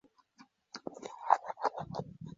全印学生协会解放的学生组织。